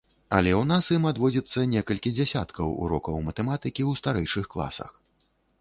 Але ў нас ім адводзіцца некалькі дзясяткаў урокаў матэматыкі ў старэйшых класах.